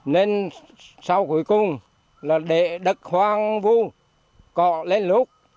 nên sau cuối cùng là để đất hoang vu cọ lên lúc